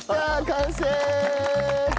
完成！